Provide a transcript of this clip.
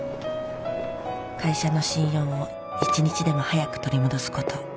「会社の信用を一日でも早く取り戻すこと」